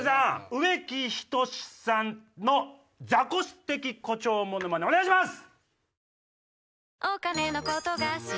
植木等さんの「ザコシ的誇張ものまね」お願いします！